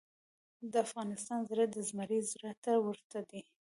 د افغان زړه د زمري زړه ته ورته دی.